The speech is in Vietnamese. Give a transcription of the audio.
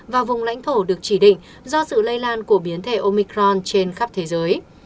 và vùng lãnh thổ được chỉ định do sự lây lan của biến thể omicron trên khắp thế giới